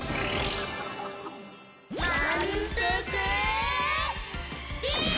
まんぷくビーム！